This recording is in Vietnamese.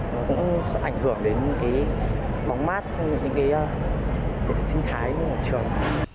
nó cũng ảnh hưởng đến bóng mát trong những sinh thái của trường